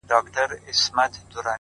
• چي د بل پر وزرونو یې تکیه وي -